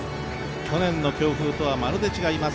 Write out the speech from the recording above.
去年の強風とはまるで違います。